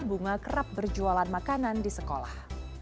bunga kerap berjualan makanan di sekolah